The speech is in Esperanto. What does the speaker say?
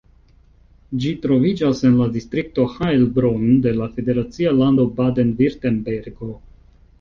Ĝi troviĝas en la distrikto Heilbronn de la federacia lando Baden-Virtembergo.